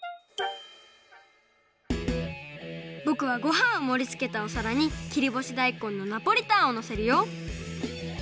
ぼくはごはんをもりつけたおさらに切りぼしだいこんのナポリタンをのせるよ。